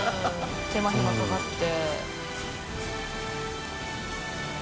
手間暇かかって。